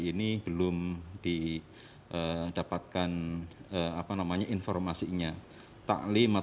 ini belum di dapatkan apa namanya informasi